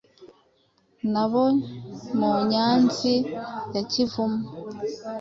Nabo mu Nyanzi ya Kavumu